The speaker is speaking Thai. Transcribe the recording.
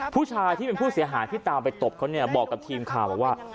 ผู้ชายที่เป็นผู้เสียหายที่ตามไปตบเขาเนี่ยบอกกับทีมข่าวบอกว่า